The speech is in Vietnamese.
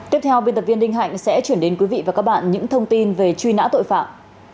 tiếp theo biên tập viên đinh hạnh sẽ chuyển đến quý vị và các bạn những thông tin về truy nã tội phạm